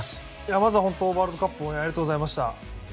まずはワールドカップ応援ありがとうございました。